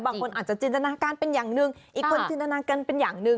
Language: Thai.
บางคนอาจจะจินตนาการเป็นอย่างหนึ่งอีกคนจินตนาการเป็นอย่างหนึ่ง